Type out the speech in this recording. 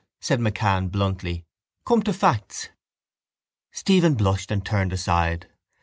said MacCann bluntly. Come to facts. Stephen blushed and turned aside.